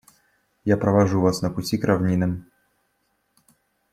Я провожу вас на пути к равнинам.